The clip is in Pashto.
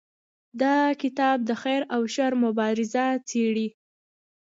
دا کتاب د خیر او شر مبارزه څیړي.